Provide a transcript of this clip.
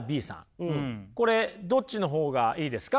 これどっちの方がいいですか？